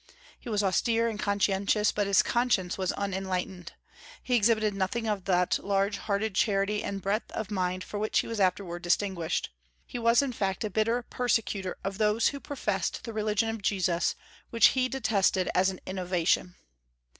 He was austere and conscientious, but his conscience was unenlightened. He exhibited nothing of that large hearted charity and breadth of mind for which he was afterward distinguished; he was in fact a bitter persecutor of those who professed the religion of Jesus, which he detested as an innovation.